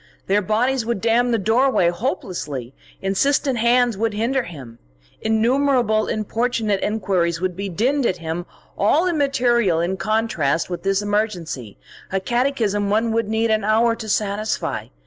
Their bodies would dam the doorway hopelessly; insistent hands would hinder him; innumerable importunate enquiries would be dinned at him, all immaterial in contrast with this emergency, a catechism one would need an hour to satisfy.